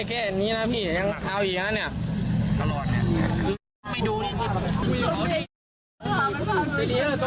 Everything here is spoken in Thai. ครับซูอาตำอะไร